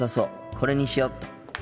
これにしよっと。